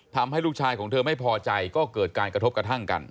ทำให้ลูกชายของเธอไม่พอใจก็เกิดการกระทบกระทั่งกัน